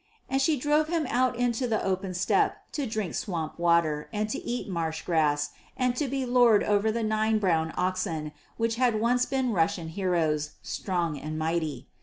And she drove him out into the open steppe to drink swamp water and to eat marsh grass and to be lord over the nine brown oxen which had once been Russian heroes, strong and mighty.